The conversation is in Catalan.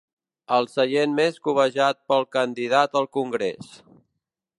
El seient més cobejat pel candidat al Congrés.